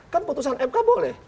kan putusan mk boleh